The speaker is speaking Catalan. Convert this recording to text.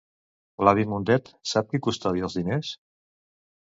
L'avi Mundet sap qui custodia els diners?